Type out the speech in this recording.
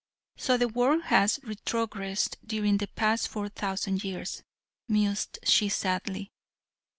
"So the world has retrogressed during the past four thousand years," mused she sadly.